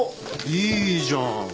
いいじゃん。